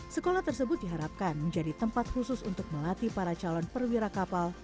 sekolah tersebut diharapkan menjadi tempat khusus untuk melatih para calon perwira kapal